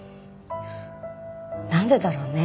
なんでだろうね。